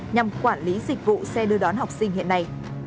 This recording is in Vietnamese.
nhằm quản lý dịch vụ xe đưa đón học sinh hiện nay